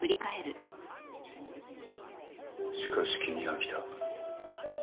しかし君が来た。